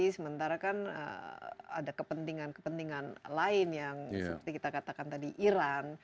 sementara kan ada kepentingan kepentingan lain yang seperti kita katakan tadi iran